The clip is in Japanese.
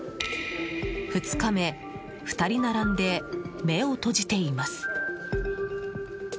２日目、２人並んで目を閉じています。